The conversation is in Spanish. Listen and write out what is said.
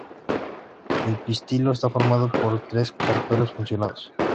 El pistilo está formado por tres carpelos fusionados.